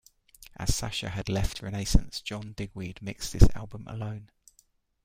As Sasha had left Renaissance, John Digweed mixed this album alone.